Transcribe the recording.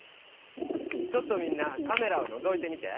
ちょっとみんなカメラをのぞいてみて。